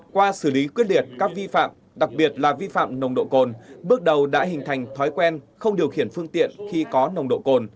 qua xử lý quyết liệt các vi phạm đặc biệt là vi phạm nồng độ cồn bước đầu đã hình thành thói quen không điều khiển phương tiện khi có nồng độ cồn